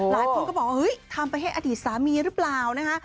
หลายคนก็บอกเฮ้ยทำไปให้อดีตสามีหรือเปล่านะคะ